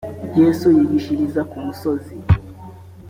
yesu yigishiriza ku musozi